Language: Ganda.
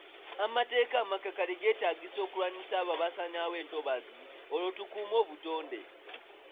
Amateeka amakakali getaagisa okulwanyisa abo abasanyaawo entobazi, olwo tukuume obutonde.